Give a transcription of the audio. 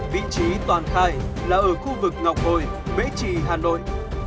vị trí toàn khai là ở khu vực ngọc hồi bễ trì hà nội